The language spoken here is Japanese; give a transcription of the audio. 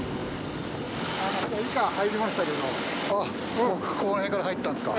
あっこの辺から入ったんですか？